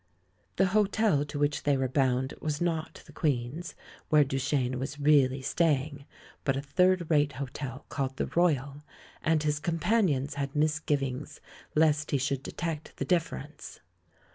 The hotel to which they were bound was not the Queen's, where Duchene was really staying, but a third rate hotel called the Royal, and his companions had misgivings lest he should detect the difference.